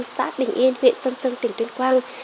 xã bình yên huyện sơn sơn tỉnh tuyên quang